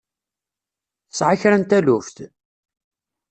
Tesɛa kra n taluft?